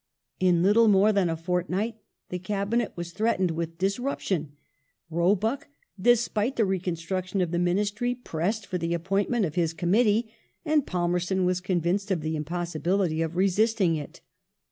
In little more than a fortnight the Cabinet was threatened with disruption. Roebuck, despite the reconstruction of the Ministry, pressed for the appointment of his Committee and Palmei ston was convinced of the impossibility of resisting it.